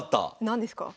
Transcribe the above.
何ですか？